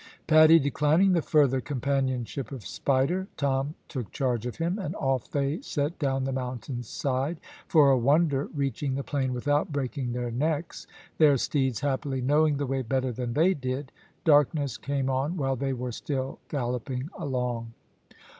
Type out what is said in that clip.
Paddy declining the further companionship of Spider, Tom took charge of him, and off they set down the mountain's side, for a wonder reaching the plain without breaking their necks; their steeds happily knowing the way better than they did. Darkness came on while they were still galloping along.